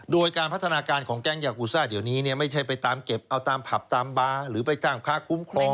โดยการพัฒนาการของแก๊งยากูซ่าเดี๋ยวนี้ไม่ใช่ไปตามเก็บเอาตามผับตามบาร์หรือไปจ้างค้าคุ้มครอง